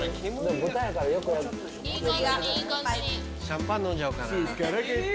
シャンパン飲んじゃおうかな。